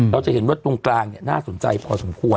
เราจะเห็นว่าตรงกลางน่าสนใจพอสมควร